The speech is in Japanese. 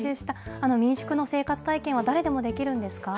民宿の生活体験は誰でもできるんですか。